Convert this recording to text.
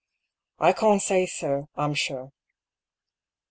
93 " I can't say, sir, I'm sure."